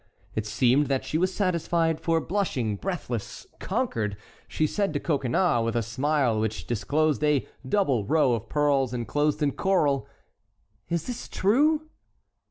It seemed that she was satisfied, for blushing, breathless, conquered, she said to Coconnas, with a smile which disclosed a double row of pearls enclosed in coral: "Is this true?"